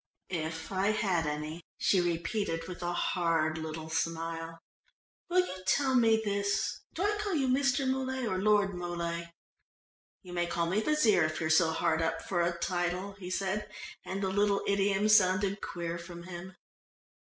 "If I had any," she repeated with a hard little smile. "Will you tell me this do I call you Mr. Muley or Lord Muley?" "You may call me Wazeer, if you're so hard up for a title," he said, and the little idiom sounded queer from him.